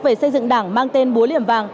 về xây dựng đảng mang tên búa liềm vàng